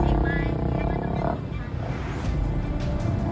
สวัสดีครับคุณผู้ชาย